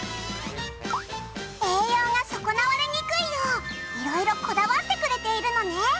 栄養が損なわれにくいよう色々こだわってくれているのね。